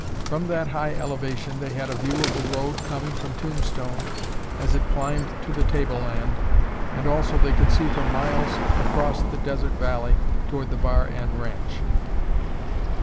From that high elevation they had a view of the road coming from Tombstone as it climbed to the tableland and also they could see for miles across the desert valley toward the Bar N ranch.